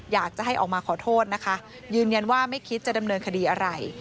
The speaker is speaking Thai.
อยากจะให้ออกมาขอโทษนะคะยืนยันว่าไม่คิดจะดำเนินคดีอะไร